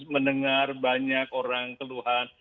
mendengar banyak orang teluhan